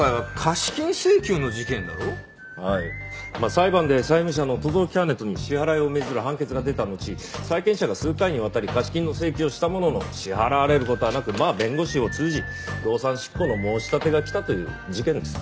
裁判で債務者の轟木羽人に支払いを命ずる判決が出たのち債権者が数回にわたり貸金の請求をしたものの支払われる事はなくまあ弁護士を通じ動産執行の申し立てが来たという事件です。